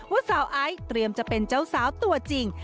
ว่าสาวไอซ์เตรียมจะเป็นเจ้าสาวตัวจริง